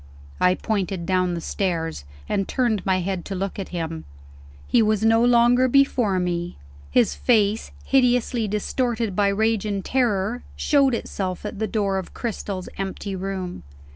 I pointed down the stairs, and turned my head to look at him. He was no longer before me. His face, hideously distorted by rage and terror, showed itself at the door of Cristel's empty room.